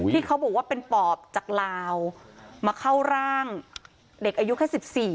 ที่เขาบอกว่าเป็นปอบจากลาวมาเข้าร่างเด็กอายุแค่๑๔